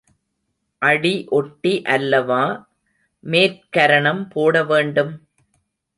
அடி ஒட்டி அல்லவா மேற்கரணம் போட வேண்டும்?